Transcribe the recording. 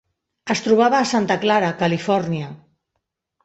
Es trobava a Santa Clara, Califòrnia.